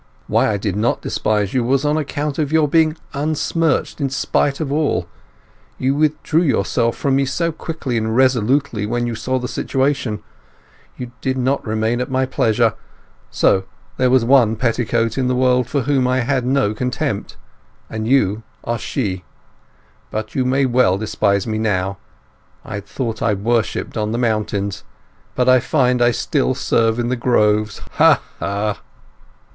Why I did not despise you was on account of your being unsmirched in spite of all; you withdrew yourself from me so quickly and resolutely when you saw the situation; you did not remain at my pleasure; so there was one petticoat in the world for whom I had no contempt, and you are she. But you may well despise me now! I thought I worshipped on the mountains, but I find I still serve in the groves! Ha! ha!"